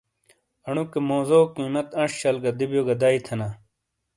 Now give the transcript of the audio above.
انوکے موزو قیمت انش شل گہ دوبیو گہ دئی تھینا۔